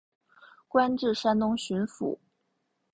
官至山东巡抚。